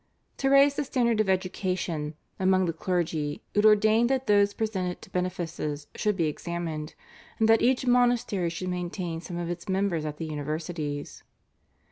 To raise the standard of education among the clergy it ordained that those presented to benefices should be examined, and that each monastery should maintain some of its members at the universities.